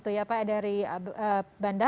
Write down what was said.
terima kasih baik babang